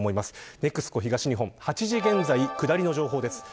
ＮＥＸＣＯ東日本８時現在、下りの情報です。